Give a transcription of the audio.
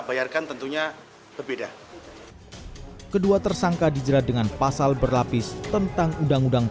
bayarkan tentunya berbeda kedua tersangka dijerat dengan pasal berlapis tentang undang undang